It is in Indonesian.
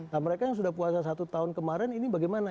nah mereka yang sudah puasa satu tahun kemarin ini bagaimana